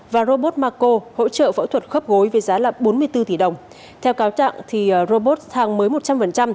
và robot mako hỗ trợ phẫu thuật khớp gối với giá là bốn mươi bốn tỷ đồng theo cáo trạng robot thang mới một trăm linh